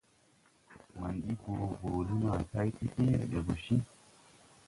Maŋ ɓi boo boole ma tay ti fẽẽre ɓe go ciŋ.